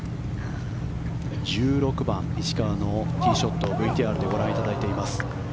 １６番、石川のティーショットをＶＴＲでご覧いただいています。